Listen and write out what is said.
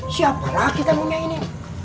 siapa lagi tamunya ini